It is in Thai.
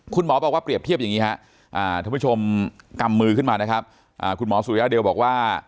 คุณหมอบอกว่าเปรียบเทียบอย่างนี้ครับท่านผู้ชมกำมือขึ้นมานะครับคุณหมอสุริยาเดลบอกว่า